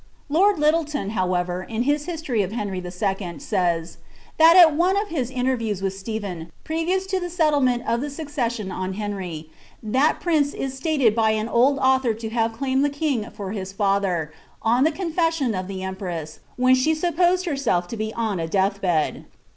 Lord Lyillelon, however, in hii hiaiory of Henry 11^ says, " that at one of his mierviews with Sirphen, previous to the settlement of the succession on Henry, thai prince u stated by an old author ta have claimed the king for his fkilin, on the confession of the empress, when she supposed herself lo he on a <)cBlb heil."